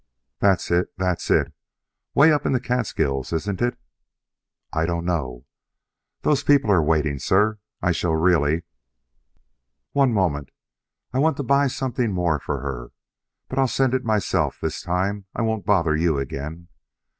"That's it; that's it. 'Way up in the Catskills, isn't it?" "I don't know. Those people are waiting, sir. I shall really " "One moment! I want to buy something more for her. But I'll send it myself this time; I won't bother you again.